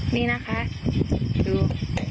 นี่นะคะดู